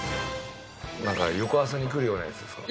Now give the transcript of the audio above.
翌朝にくるようなやつですか。